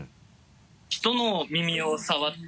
人の耳を触って。